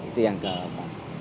itu yang kelam